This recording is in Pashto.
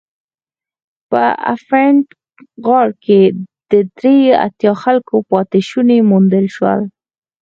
په افنټ غار کې د درې اتیا خلکو پاتې شوني موندل شول.